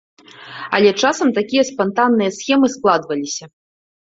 Але часам такія спантанныя схемы складваліся.